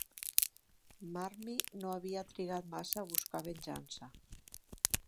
Marmie no havia trigat massa a buscar venjança.